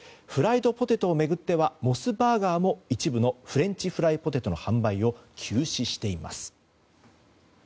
フライドポテトを巡ってはモスバーガーも一部のフレンチフライポテトの販売を休止しています。